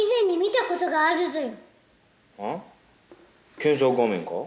検索画面か？